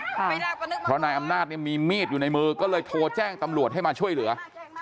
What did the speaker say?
เพราะนายอำนาจเนี่ยมีมีดอยู่ในมือก็เลยโทรแจ้งตำรวจให้มาช่วยเหลือ